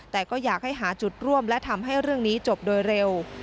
แต่ก็อยากให้หาจุดร่วมและทำให้เรื่องนี้จบโดยเร็ว